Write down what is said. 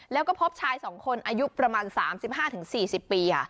แล้วก็พบชาย๒คนอายุประมาณ๓๕๔๐ปี